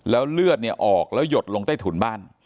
แล้วเลือดเนี่ยออกแล้วหยดลงใต้ถุนบ้าน